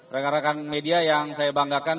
rekan rekan media yang saya banggakan